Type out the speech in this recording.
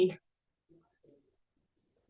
bukan ada dampak